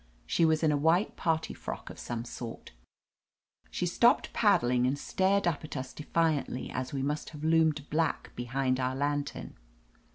She was in a white party frock of some sort She stopped paddling and stared up at us defiantly as we must have loomed black behind our lantern.